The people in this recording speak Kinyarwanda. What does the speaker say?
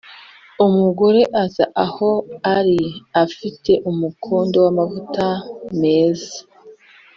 umugore aza aho ari afite umukondo w’amavuta meza